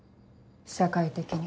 社会的に。